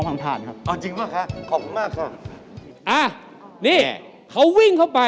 สำหรับเพื่อนของพ่อ